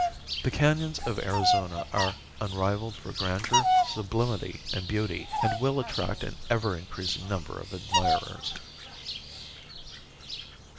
The canons of Arizona are unrivaled for grandeur, sublimity and beauty, and will attract an ever increasing number of admirers.